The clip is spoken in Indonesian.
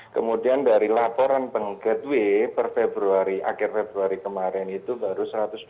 kemudian dari laporan peng gateway per februari akhir februari kemarin itu baru satu ratus dua puluh